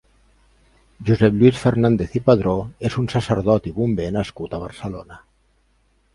Josep Lluís Fernández i Padró és un sacerdot i bomber nascut a Barcelona.